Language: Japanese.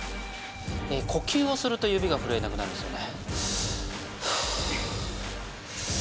こきゅうをすると指がふるえなくなるんですよね。